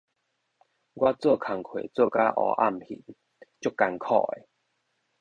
我做工課做甲烏暗眩，足艱苦的